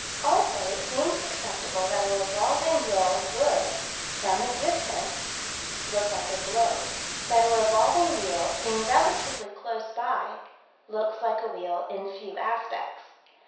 Also it seems acceptable that a revolving wheel would, from a distance, look like a globe; that a revolving wheel, seen relatively close by, looks like a wheel in few aspects.